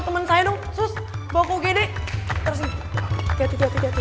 sampai jumpa lagi